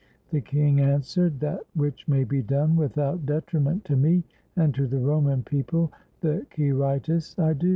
" The king answered, " That which may be done without detriment to me and to the Roman people, the Quirites, I do."